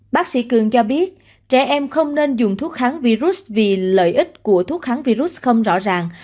bác sĩ cường cho biết trẻ em không nên dùng thuốc kháng virus vì lợi ích của thuốc kháng virus không rõ ràng